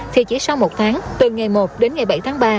thì chỉ sau một tháng từ ngày một đến ngày bảy tháng ba